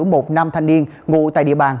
một nam thanh niên ngụ tại địa bàn